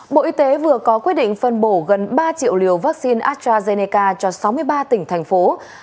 bộ y tế vừa có quyết định phân bổ gần ba triệu liều vaccine astrazeneca cho sáu mươi ba tỉnh thành phố